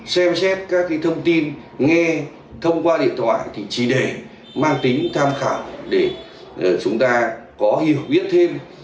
xem xét các thông tin nghe thông qua điện thoại thì chỉ để mang tính tham khảo để chúng ta có hiểu biết thêm